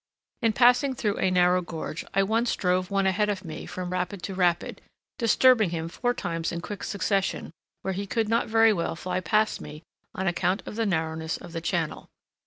In passing through a narrow gorge, I once drove one ahead of me from rapid to rapid, disturbing him four times in quick succession where he could not very well fly past me on account of the narrowness of the channel.